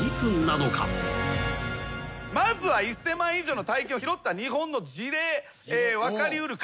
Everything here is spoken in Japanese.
まずは１，０００万以上の大金を拾った日本の事例。